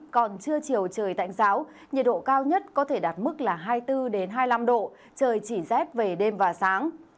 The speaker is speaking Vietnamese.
còn trưa chiều trời tạnh giáo nhiệt độ cao nhất có thể đạt mức là hai mươi bốn hai mươi năm độ trời chỉ rét về đêm và sáng